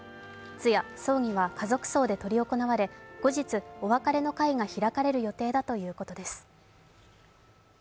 通夜・葬儀は家族葬で執り行われ後日、お別れの会が開かれる予定だということです。